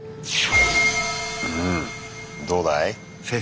うんどうだい？